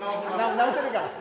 直せるから。